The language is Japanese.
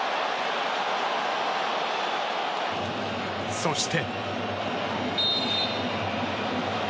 そして。